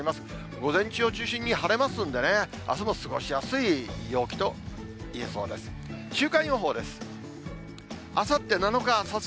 午前中を中心に晴れますので、あすも過ごしやすい陽気といえそうです。